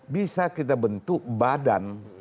bisa kita bentuk badan